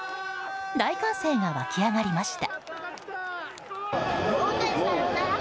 大歓声が沸き上がりました。